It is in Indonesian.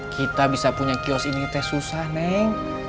kita bisa punya kios ini teh susah neng